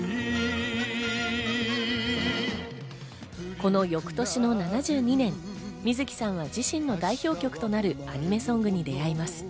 この翌年の７２年、水木さんは自身の代表曲となるアニメソングに出会います。